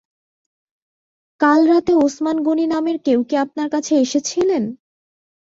কাল রাতে ওসমান গনি নামের কেউ কি আপনার কাছে এসেছিলেন?